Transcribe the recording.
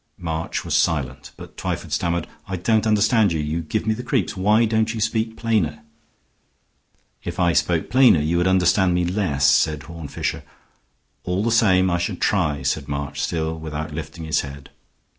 March was silent; but Twyford stammered. "I don't understand you. You give me the creeps. Why don't you speak plainer?" "If I spoke plainer you would understand me less," said Horne Fisher. "All the same I should try," said March, still without lifting his head.